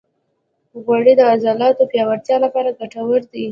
غوړې د عضلاتو پیاوړتیا لپاره ګټورې دي.